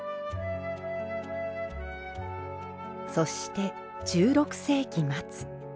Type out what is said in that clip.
そして１６世紀末。